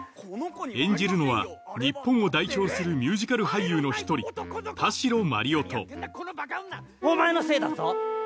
演じるのは日本を代表するミュージカル俳優の一人お前のせいだぞ。